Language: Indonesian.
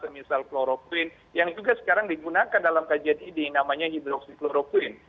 misal kloropuin yang juga sekarang digunakan dalam kajian ini namanya hidroksikloropuin